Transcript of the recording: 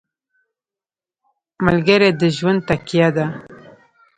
ملګری د ژوند تکیه ده.